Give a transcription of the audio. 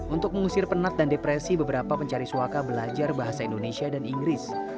untuk mengusir penat dan depresi beberapa pencari suaka belajar bahasa indonesia dan inggris